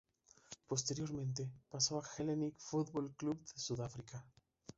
Posteriormente pasó al Hellenic Football Club de Sudáfrica.